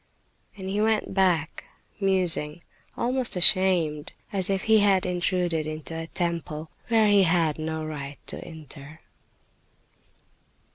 And he went back musing, almost ashamed, as if he had intruded into a temple where he had, no right to enter.